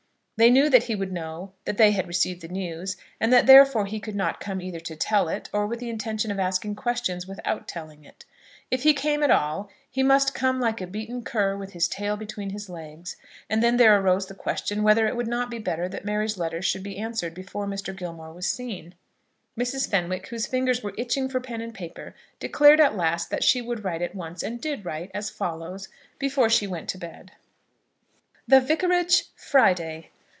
They knew that he would know that they had received the news, and that therefore he could not come either to tell it, or with the intention of asking questions without telling it. If he came at all, he must come like a beaten cur with his tail between his legs. And then there arose the question whether it would not be better that Mary's letter should be answered before Mr. Gilmore was seen. Mrs. Fenwick, whose fingers were itching for pen and paper, declared at last that she would write at once; and did write, as follows, before she went to bed: The Vicarage, Friday.